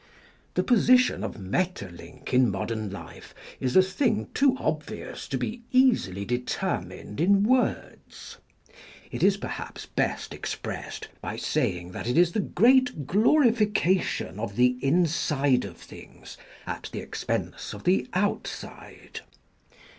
The position of Maeterlinck in modern life is a thing too obvious to be easily de termined in words. It is, perhaps, best expressed by saying that it is the great Maeterlinck glorification of the inside of things at the expense of the outside.